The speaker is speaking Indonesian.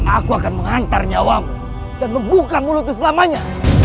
aku akan menghantar nyawamu dan membuka mulutmu selamanya